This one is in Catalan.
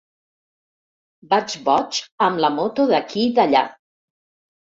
Vaig boig amb la moto d'aquí d'allà.